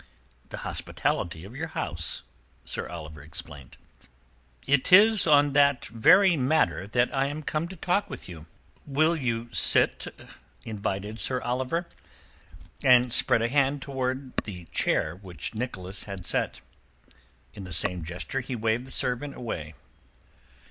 "The hospitality of your house," Sir Oliver explained. "It is on that very matter I am come to talk with you." "Will you sit?" Sir Oliver invited him, and spread a hand towards the chair which Nicholas had set. In the same gesture he waved the servant away.